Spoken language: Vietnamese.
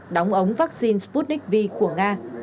đóng ống vaccine sputnik v của nga